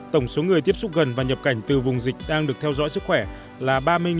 tổng số người tiếp xúc gần và nhập cảnh từ vùng dịch đang được theo dõi sức khỏe là ba mươi năm trăm ba mươi